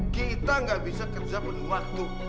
kita gak bisa kerja pun waktu